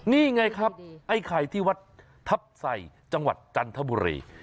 นี่ไงครับไอ้ไข่ที่วัดทัพใส่จังหวัดจันทบุรี